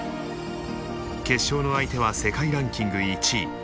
決勝の相手は世界ランキング１位。